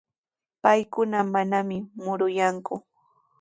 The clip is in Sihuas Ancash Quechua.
Paykuna manami muruyanku.